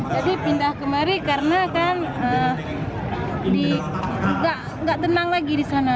jadi pindah kemari karena kan gak tenang lagi di sana